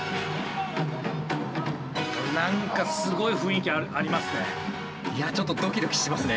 何かすごい雰囲気ありますね。